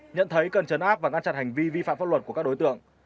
nhận thấy cần chấn áp và ngăn chặn hành vi vi phạm pháp luật của các đối tượng